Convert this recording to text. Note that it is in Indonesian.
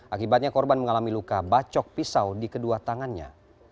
akibatnya korban mengalami luka bacok pisau di kedua tangannya